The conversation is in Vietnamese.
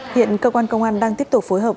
hiện cơ quan công an đang tiếp tục phối hợp